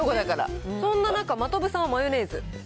そんな中、真飛さんはマヨネーズ。